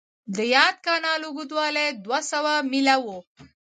د یاد کانال اوږدوالی دوه سوه میله و.